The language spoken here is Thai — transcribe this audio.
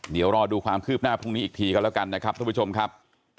เดี๋ยวรอดูความคืบหน้าพรุ่งนี้อีกทีก็แล้วกันนะครับทุกผู้ชมครับ